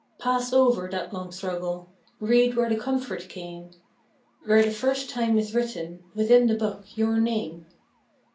Pass over that long struggle, Read where the comfort came, Where the first time is written Within the book your name.